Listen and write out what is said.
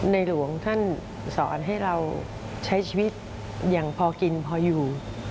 หลวงท่านสอนให้เราใช้ชีวิตอย่างพอกินพออยู่